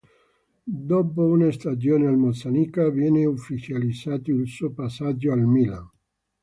Dopo una stagione al Mozzanica, viene ufficializzato il suo passaggio al Milan.